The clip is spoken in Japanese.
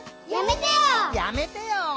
「やめてよ」